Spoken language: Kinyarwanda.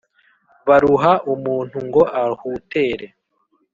Baruha umuntu ngo ahutere,